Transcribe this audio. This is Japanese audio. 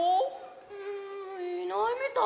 んいないみたい。